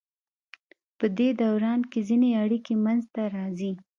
پدې دوران کې ځینې اړیکې منځ ته راځي.